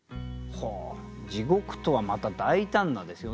ほう「地獄」とはまた大胆なですよね。